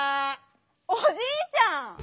おじいちゃん！